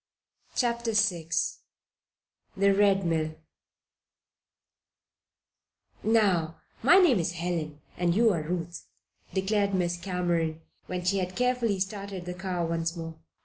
CHAPTER VI THE RED MILL "Now, my name's Helen, and you are Ruth," declared Miss Cameron, when she had carefully started the car once more.